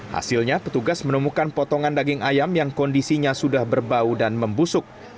hasilnya petugas menemukan potongan daging ayam yang kondisinya sudah berbau dan membusuk